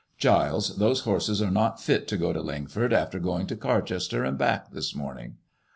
Giles, those horses are not fit to go to Lingford, after going to Car chester and back this morning."